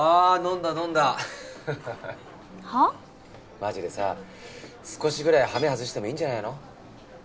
マジでさ少しぐらいハメ外してもいいんじゃないの？